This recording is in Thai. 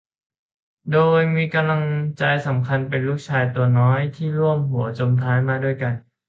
โดยมีกำลังใจสำคัญเป็นลูกชายตัวน้อยที่ร่วมหัวจมท้ายมาด้วยกัน